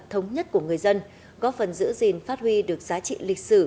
thống nhất của người dân góp phần giữ gìn phát huy được giá trị lịch sử